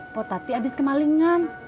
potati habis kemalingan